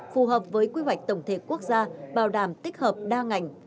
phù hợp với quy hoạch tổng thể quốc gia bảo đảm tích hợp đa ngành